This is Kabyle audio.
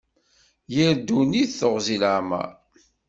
Yir ddunit teɣzi n leɛmer.